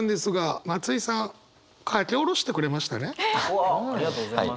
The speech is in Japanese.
うわっありがとうございます。